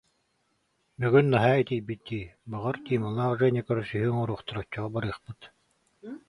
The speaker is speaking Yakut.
Бүгүн наһаа итийбит дии, баҕар, Тималаах Женя көрсүһүү оҥоруохтара, оччоҕо барыахпыт